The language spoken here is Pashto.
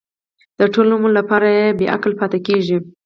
د ټول عمر لپاره بې عقل پاتې کېږي.